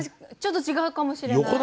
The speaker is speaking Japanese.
ちょっと違うかもしれない。